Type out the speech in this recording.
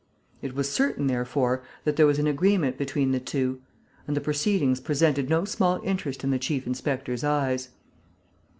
It was certain, therefore, that there was an agreement between the two; and the proceedings presented no small interest in the chief inspector's eyes.